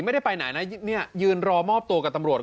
ไม่ได้ไปไหนนะเนี่ยยืนรอมอบตัวกับตำรวจ